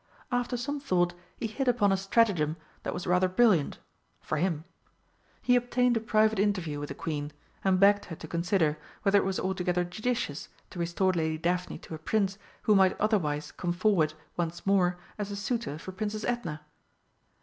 After some thought he hit upon a stratagem that was rather brilliant for him. He obtained a private interview with the Queen, and begged her to consider whether it was altogether judicious to restore Lady Daphne to a Prince who might otherwise come forward once more as a suitor for Princess Edna.